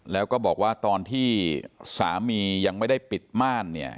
แล้วก็บอกว่าตอนที่สามียังไม่ได้ปิดม่านเนี่ย